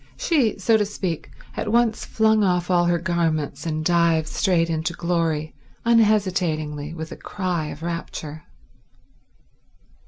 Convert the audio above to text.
She, so to speak, at once flung off all her garments and dived straight into glory, unhesitatingly, with a cry of rapture.